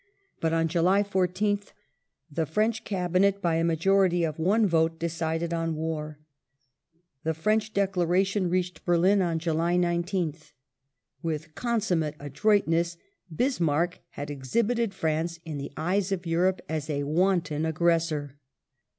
But on July 14th the French Cabinet by a majority of one vote decided on war. The French declaration reached Berlin on July 19th. With consummate adroitness Bismarck had exhibited France in the eyes of Europe as a wanton aggressor.